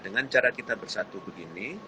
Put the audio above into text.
dengan cara kita bersatu begini